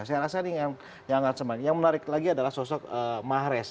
saya rasa ini yang menarik lagi adalah sosok mahrez